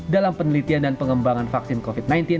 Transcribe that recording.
dalam penelitian dan pengembangan vaksin covid sembilan belas